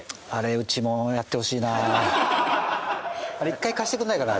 あれ一回貸してくれないかな？